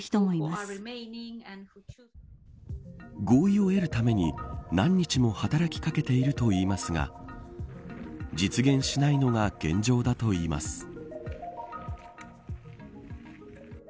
合意を得るために何日も働き掛けているといいますが実現しないのが現状だといいます。